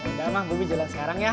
udah mah gue mau jalan sekarang ya